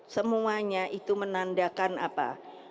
semuanya itu menandakan apa